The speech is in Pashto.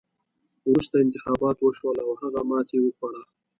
وروسته انتخابات وشول او هغه ماتې وخوړه.